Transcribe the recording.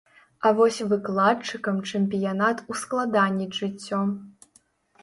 А вось выкладчыкам чэмпіянат ускладніць жыццё.